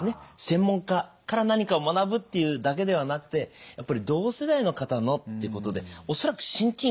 専門家から何かを学ぶっていうだけではなくてやっぱり同世代の方のってことで恐らく親近感。